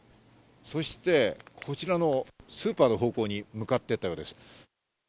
そして、こちらのスーパーの方向に向かっていったようです。